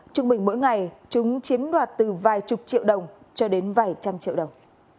trung bình mỗi ngày chúng chiếm đoạt từ vài chục triệu đồng cho đến vài trăm triệu đồng